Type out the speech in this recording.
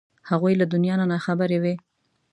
هغوی له دنیا نه نا خبرې وې.